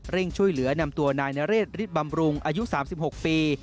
ช่วยเหลือนำตัวนายนเรศฤทธบำรุงอายุ๓๖ปี